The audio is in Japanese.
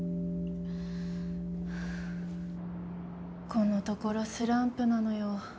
このところスランプなのよ。